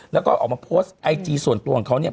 แล้วก็ออกมาโพสต์ไอจีส่วนตัวของเขาเนี่ย